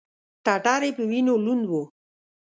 ټټر یې په وینو لوند و.